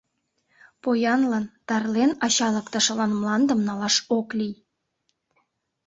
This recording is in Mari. Поянлан, тарлен ачалыктышылан мландым налаш ок лий.